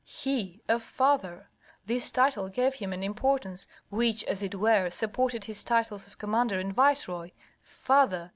He a father! This title gave him an importance which, as it were, supported his titles of commander and viceroy. Father!